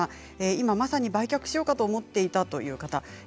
今まさに売却しようかと思っていたという方です。